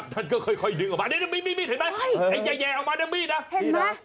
แล้วก็ทำให้เขาค่อยโดคอมเมฆ